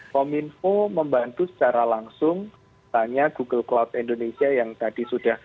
komunfo membantu secara langsung tanya google cloud indonesia yang tadi sudah hadir